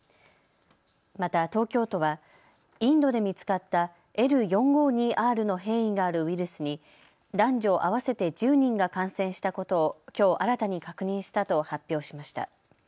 また東京都はインドで見つかったＬ４５２Ｒの変異があるウイルスに男女合わせて１０人が感染したことを、きょう新たに確認したと発表しました。